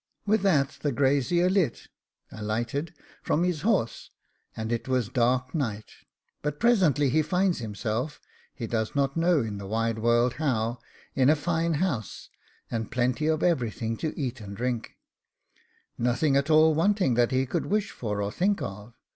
With that the grazier LIT (ALIGHTED) from his horse, and it was dark night; but presently he finds himself, he does not know in the wide world how, in a fine house, and plenty of everything to eat and drink; nothing at all wanting that he could wish for or think of.